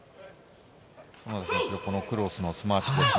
このクロスのスマッシュですね。